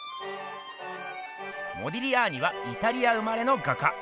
モディリアーニはイタリア生まれの画家。